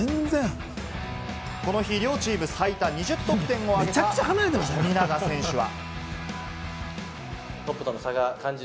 この日、両チーム最多２０得点を挙げた富永選手は。